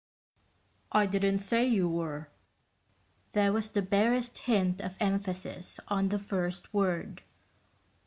"I didn't say you were." There was the barest hint of emphasis on the first word.